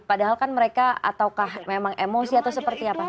padahal kan mereka ataukah memang emosi atau seperti apa